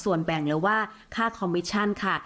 ส่วนแบ่งหรือว่าค่าคอมมิชชั่นค่ะ